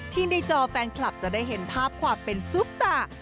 ในจอแฟนคลับจะได้เห็นภาพความเป็นซุปตา